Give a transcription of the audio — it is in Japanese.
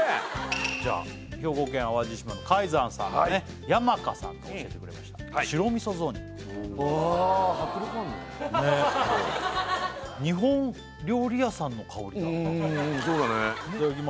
じゃあ兵庫県淡路島の海山さんのね山家さんが教えてくれました白味噌雑煮わ迫力あるね日本料理屋さんの香りがうんうん